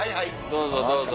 どうぞどうぞ。